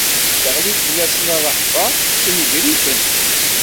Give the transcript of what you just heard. Teɣli-d fell-asen rrehba, tessenger-iten.